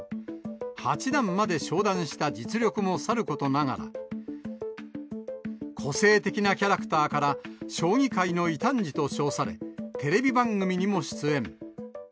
八段まで昇段した実力もさることながら、個性的なキャラクターから、将棋界の異端児と称され、テレビ番組にも出演。